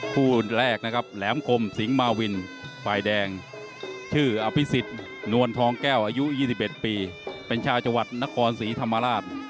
คู่แรกนะครับแหลมกลมสิงหมาวินฝ่ายแดงชื่ออภิษฎนวลทองแก้วอายุ๒๑ปีเป็นชาวจังหวัดนครศรีธรรมราช